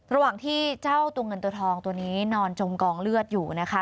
ระหว่างที่เจ้าตัวเงินตัวทองตัวนี้นอนจมกองเลือดอยู่นะคะ